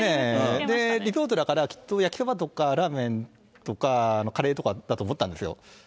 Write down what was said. リゾートだから、きっと焼きそばとかラーメンとか、カレーも頭にあったんですね。